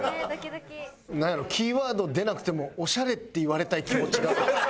なんやろうキーワード出なくても「オシャレ」って言われたい気持ちが。